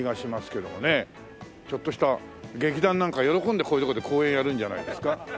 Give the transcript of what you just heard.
ちょっとした劇団なんか喜んでこういう所で公演やるんじゃないですか。